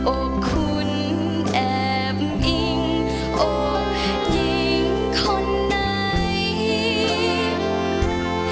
อกคุณแอบอิงโอ้หญิงคนไหน